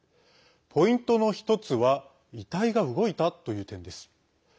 ポイントの１つは遺体が動いたという点です。